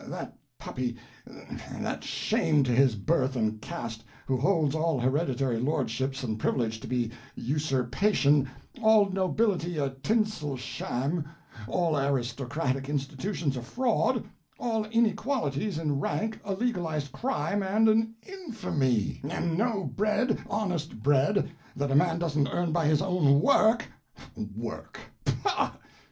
That puppy, that shame to his birth and caste, who holds all hereditary lordships and privilege to be usurpation, all nobility a tinsel sham, all aristocratic institutions a fraud, all inequalities in rank a legalized crime and an infamy, and no bread honest bread that a man doesn't earn by his own work—work, pah!"